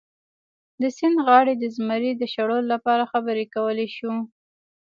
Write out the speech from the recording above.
د سیند غاړې د زمري د شړلو لپاره خبرې کولی شو.